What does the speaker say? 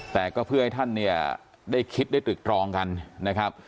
แต่ก็เพื่อให้ท่านเนี่ยได้คิดได้ตรึกตรองกันนะครับ